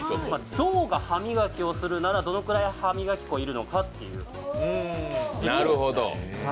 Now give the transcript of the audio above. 象が歯磨きをするならどのくらい歯磨き粉がいるのかっていう。